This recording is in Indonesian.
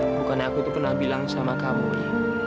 bukan aku itu pernah bilang sama kamu dwi